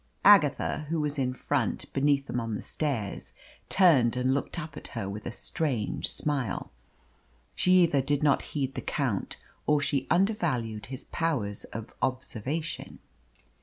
Agatha, who was in front, beneath them on the stairs, turned and looked up at her with a strange smile. She either did not heed the Count, or she undervalued his powers of observation.